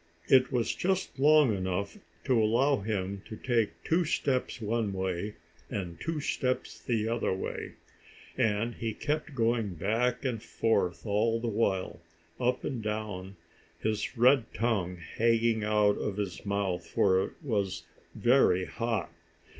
It was just long enough to allow him to take two steps one way, and two steps the other way. And he kept going back and forth all the while, up and down, his red tongue hanging out of his mouth, for it was very hot.